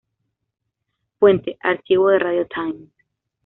Fuente: Archivo de Radio Times.